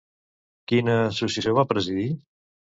Quina associació va presidir?